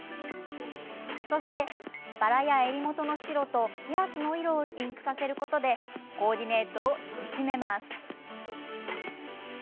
そして、バラや襟元の白とピアスの色をリンクさせることでコーディネートを引き締めます。